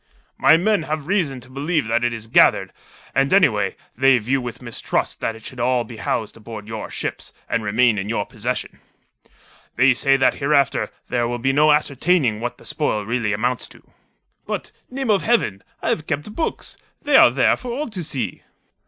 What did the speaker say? "My men have reason to believe that it is gathered; and, anyway, they view with mistrust that it should all be housed aboard your ships, and remain in your possession. They say that hereafter there will be no ascertaining what the spoil really amounts to." "But name of Heaven! I have kept books. They are there for all to see."